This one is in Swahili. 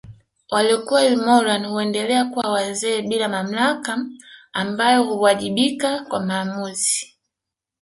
Waliokuwa ilmoran huendelea kuwa wazee bila mamlaka ambao huwajibika kwa maamuzi